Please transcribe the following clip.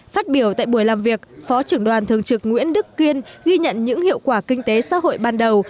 phát biểu tại buổi làm việc phó trưởng đoàn thường trực nguyễn đức kiên ghi nhận những hiệu quả kinh tế xã hội ban đầu